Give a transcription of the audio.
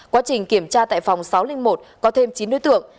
quá trình kiểm tra tại phòng sáu trăm linh một có thêm chín đối tượng